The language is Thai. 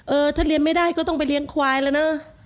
ถ้าเรียนไม่ได้ก็ต้องไปเลี้ยงควายแล้วเนอะ